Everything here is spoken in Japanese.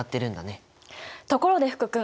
ところで福君。